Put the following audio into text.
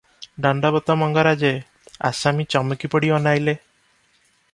ଦଣ୍ତବତ ମଙ୍ଗରାଜେ!' ଆସାମୀ ଚମକି ପଡ଼ି ଅନାଇଲେ ।